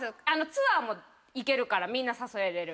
ツアーも行けるからみんな誘える。